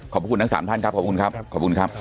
ขอบคุณลักษมณะสามท่านครับขอบคุณครับ